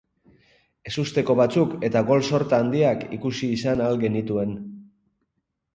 Ezusteko batzuk eta gol sorta handiak ikusi izan ahal genituen.